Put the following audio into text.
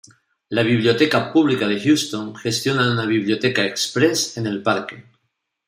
La Biblioteca Pública de Houston gestiona una biblioteca "express" en el parque.